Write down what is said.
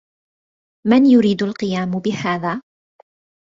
من يريد القيام بهذا؟